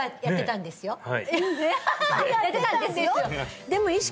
やってたんですよ